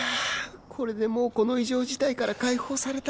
これでもうこの異常事態から解放された